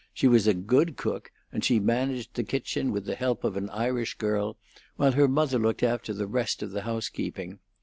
She was a good cook, and she managed the kitchen with the help of an Irish girl, while her mother looked after the rest of the housekeeping.